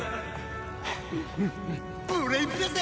ブレイブだぜ！